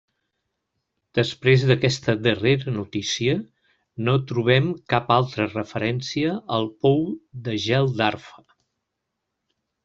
Després d'aquesta darrera notícia, no trobem cap altra referència al pou de gel d'Arfa.